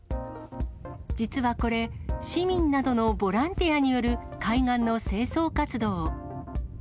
実はこれ、市民などのボランティアによる海岸の清掃活動。